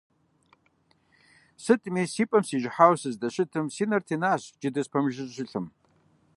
Сытми, си пӀэм сижыхьауэ сыздэщытым, си нэр тенащ джыдэ спэмыжыжьэу щылъым.